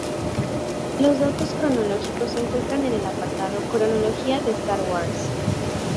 Los datos cronológicos se encuentran en el apartado Cronología de Star Wars.